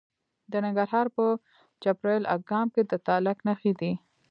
د ننګرهار په پچیر اګام کې د تالک نښې دي.